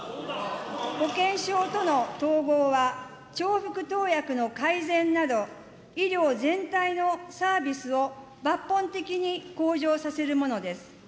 保険証との統合は重複投薬の改善など、医療全体のサービスを抜本的に向上させるものです。